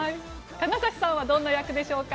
金指さんはどんな役でしょうか。